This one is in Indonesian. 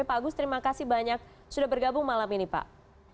pak agus terima kasih banyak sudah bergabung malam ini pak